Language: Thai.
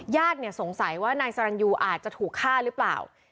สงสัยว่านายสรรยูอาจจะถูกฆ่าหรือเปล่า